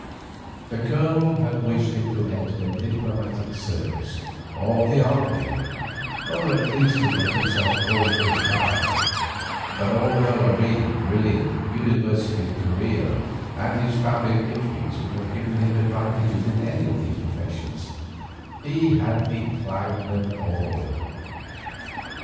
The Colonel had wished him to enter the Diplomatic Service, or the Army, or at least to get himself called to the Bar; but although a really brilliant University career and his family influence would have given him advantages in any of these professions, he had declined them all.